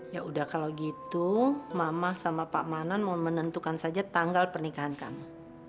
ya udah kalau gitu mama sama pak manan mau menentukan saja tanggal pernikahan kami